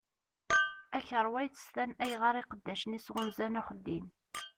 Akerwa yessestan ayɣeṛ iqeddacen-is ɣunzan axeddim.